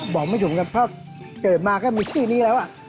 บอกไม่ถูกครับเพราะเกิดมาก็มีชื่อนี้แล้ว